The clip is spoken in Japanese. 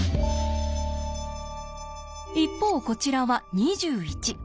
一方こちらは２１。